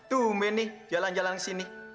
tumben nih jalan jalan ke sini